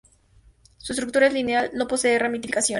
Su estructura es lineal, no posee ramificaciones.